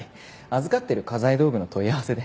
預かってる家財道具の問い合わせで。